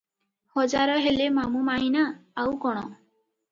ହଜାର ହେଲେ ମାମୁ ମାଈଁ ନା, ଆଉ କ’ଣ?